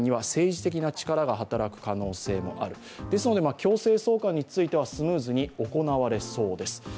強制送還についてはスムーズに行われそうです。